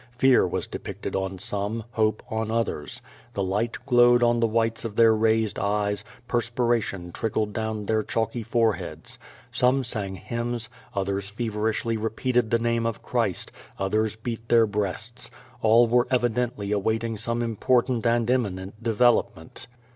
Fear was depicted on some, hope on others. The light glowed on the whites of their raised eyes, perspiration tridd^ down their chalky foreheada. Some sang hymns. QDO VADI8. 335 others feverishly repeated the name of Christ, others beat their breasts. AH were evidently awaiting some important and imminent development.